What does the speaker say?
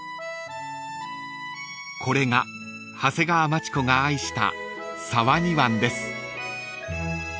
［これが長谷川町子が愛した］